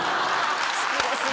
好きですね